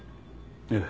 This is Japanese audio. ええ。